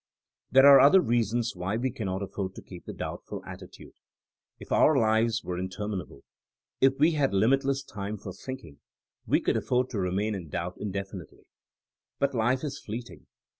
../' There are other reasons why we cannot af ford to keep the doubtful attitude. If our lives were interminable, if we had limitless time for thinking, we could afford to remain in doubt in definitely. But life is fleeting.